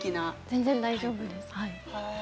全然大丈夫です。